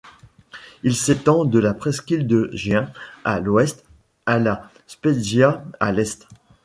Il s'étend de la Presqu'île de Giens à l'ouest à La Spezia à l'est.